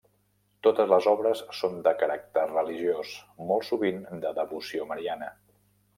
Totes les obres són de caràcter religiós, molt sovint de devoció mariana.